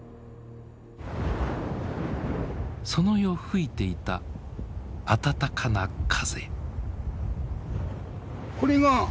その夜吹いていた暖かな風。